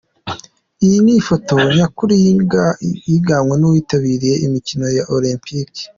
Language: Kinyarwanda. iyi niyo foto nyakuri y'iyiganwe n'uwitabiriye imikino ya Olempike.